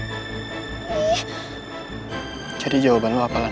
hai jadi jawaban lo apelan